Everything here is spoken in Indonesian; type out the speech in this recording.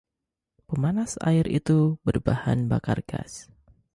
Pemanas air itu berbahan bakar gas.